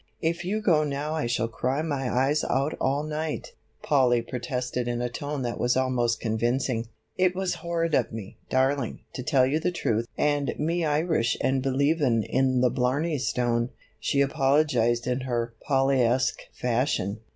"If you go now I shall cry my eyes out all night," Polly protested in a tone that was almost convincing. "It was horrid of me, darling, to tell you the truth and me Irish and believin' in the blarney stone," she apologized in her Pollyesque fashion.